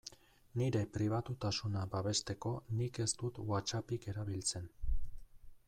Nire pribatutasuna babesteko nik ez dut WhatsAppik erabiltzen.